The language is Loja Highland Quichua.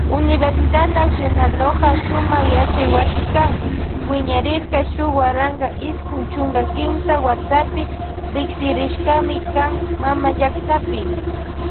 Universidad nacional Loja sumak yachaywasikan wiñarirka shuk waranka iskun chusku kimsa watapi riksirishkami kan mama llaktapi.